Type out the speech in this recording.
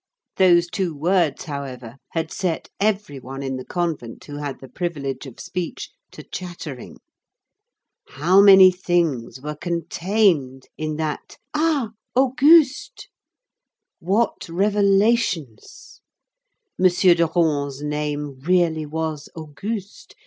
Those two words, however, had set every one in the convent who had the privilege of speech to chattering. How many things were contained in that "Ah! Auguste!" what revelations! M. de Rohan's name really was Auguste.